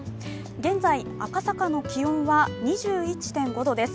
現在、赤坂の気温は２１．５度です。